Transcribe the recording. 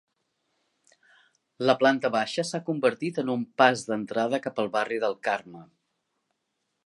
La planta baixa s'ha convertit en un pas d'entrada cap al barri del Carme.